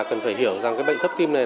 cần phải hiểu rằng cái bệnh thấp tim này